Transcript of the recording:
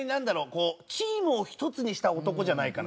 こうチームを１つにした男じゃないかなっていう。